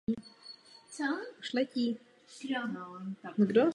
Byl to incident ve studiu.